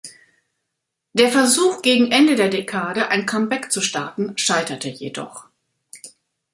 Der Versuch, gegen Ende der Dekade ein Comeback zu starten, scheiterte jedoch.